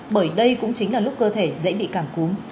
bởi đây cũng chính là lúc cơ thể dễ bị cảm cúm